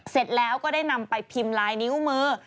เสร็จแล้วก็ได้นำไปพิมพ์ลายนิ้วมือ